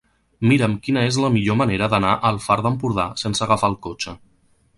Mira'm quina és la millor manera d'anar al Far d'Empordà sense agafar el cotxe.